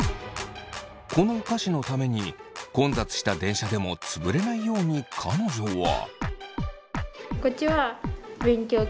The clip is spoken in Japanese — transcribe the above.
このお菓子のために混雑した電車でも潰れないように彼女は。